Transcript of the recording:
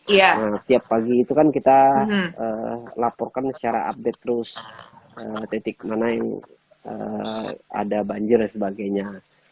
nah setiap pagi itu kan kita laporkan secara update terus titik mana yang ada banjir dan sebagainya